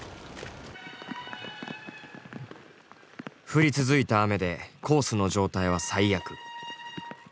降り続いた雨でコースの状態は最悪。